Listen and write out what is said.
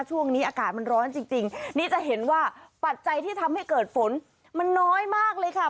ช่วงนี้อากาศมันร้อนจริงนี่จะเห็นว่าปัจจัยที่ทำให้เกิดฝนมันน้อยมากเลยค่ะ